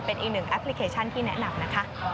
เป็นอีกหนึ่งแอปพลิเคชันที่แนะนำนะคะ